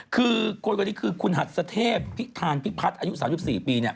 คือคนคนนี้คือคุณหัสเทพพิธานพิพัฒน์อายุ๓๔ปี